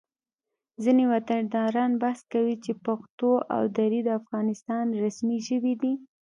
ځینې وطنداران بحث کوي چې پښتو او دري د افغانستان رسمي ژبې دي